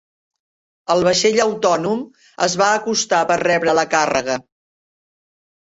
El vaixell autònom es va acostar per rebre la càrrega.